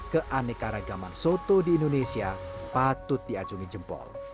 keanekaragaman soto di indonesia patut diacungi jempol